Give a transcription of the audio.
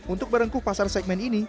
untuk merengkuh pasar segmen ini